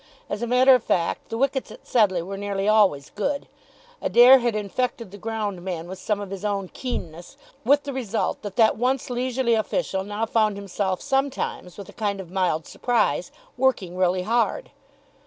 As a matter of fact the wickets at Sedleigh were nearly always good. Adair had infected the ground man with some of his own keenness, with the result that that once leisurely official now found himself sometimes, with a kind of mild surprise, working really hard.